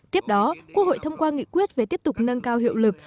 tiếp đó quốc hội thông qua nghị quyết về tiếp tục nâng cao hiệu lực